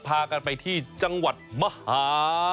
พากันไปที่จังหวัดมหา